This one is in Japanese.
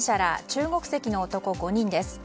中国籍の男５人です。